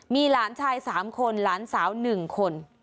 มีหลานชายสามคนหลานสาวหนึ่งคน